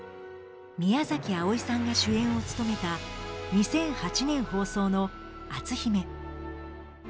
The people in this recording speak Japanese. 宮あおいさんが主演を務めた２００８年放送の「篤姫」。